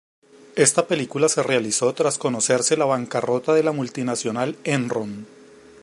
Esta película se realizó tras conocerse la bancarrota de la multinacional Enron.